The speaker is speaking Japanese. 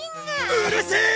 うるせえ！